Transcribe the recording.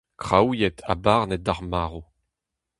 Kraouiet ha barnet d'ar marv.